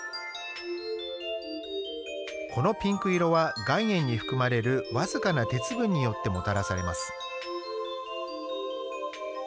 このピンク色は岩塩に含まれるわずかな鉄分によってもたらされます。